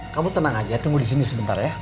kamu tenang aja tunggu disini sebentar ya